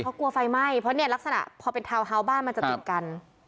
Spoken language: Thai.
เพราะกลัวไฟไหม้เพราะเนี่ยลักษณะพอเป็นทาวน์ฮาวส์บ้านมันจะติดกัน